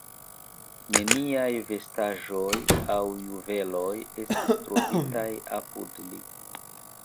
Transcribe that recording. Neniaj vestaĵoj aŭ juveloj estis trovitaj apud li.